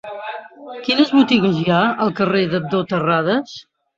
Quines botigues hi ha al carrer d'Abdó Terradas?